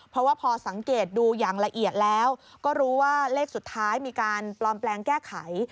เพราะว่าพอสังเกตดูอย่างละเอียดแล้วก็รู้ว่าเลขสุดท้ายมีการปลอมแปลงแก้ไข